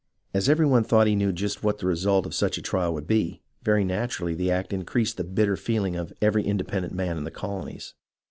As every one thought he knew just what the result of such a trial would be, very natu rally the act increased the bitter feeling of every inde pendent man in the colonies.